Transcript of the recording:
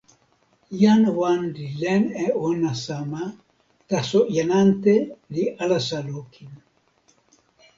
jan wan li len e ona sama, taso jan ante li alasa lukin.